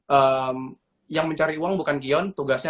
memang yang mencari uang bukan kion tugasnya